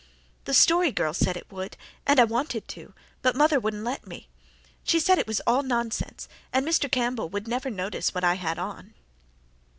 "The Story Girl said it would, and I wanted to, but mother wouldn't let me. She said it was all nonsense, and Mr. Campbell would never notice what I had on."